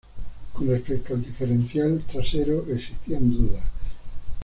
Con respecto al diferencial trasero existían dudas.